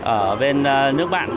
ở bên nước bạn